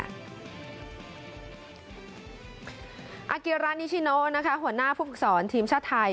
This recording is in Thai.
อาเกียรานิชิโนหัวหน้าผู้ฝึกศรทีมชาติไทย